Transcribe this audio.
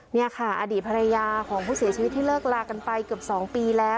นี่ค่ะอดีตภรรยาของผู้เสียชีวิตที่เลิกลากันไปเกือบ๒ปีแล้ว